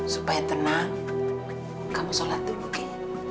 supaya tenang kamu sholat dulu ghi